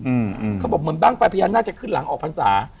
อืมเขาบอกเหมือนบ้างไฟพญานาคจะขึ้นหลังออกพรรษา